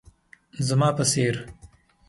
زما په څير